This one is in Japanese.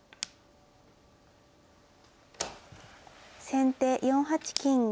先手４八金。